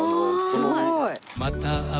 すごい。